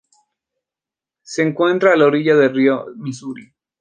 Se encuentra a la orilla del río Misuri.